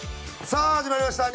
さあ始まりました。